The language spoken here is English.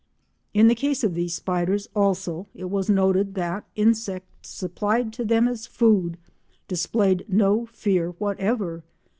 In the case of these spiders, also, it was noted that insects supplied to them as food displayed no fear whatever.